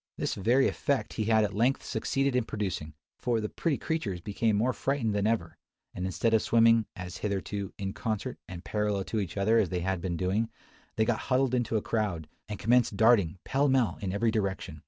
This very effect he at length succeeded in producing; for the pretty creatures became more frightened than ever; and instead of swimming, as hitherto, in concert, and parallel to each other as they had been doing, they got huddled into a crowd, and commenced darting, pell mell, in every direction.